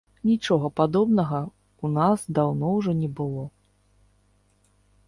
Нічога падобнага ў нас даўно ўжо не было.